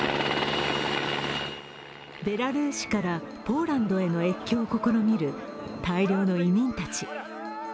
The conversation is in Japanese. ベラルーシからポーランドへの越境を試みる大量の移民たち。